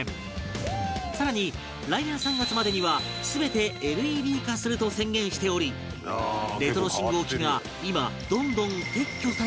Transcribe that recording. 更に来年３月までには全て ＬＥＤ 化すると宣言しておりレトロ信号機が今どんどん撤去されているという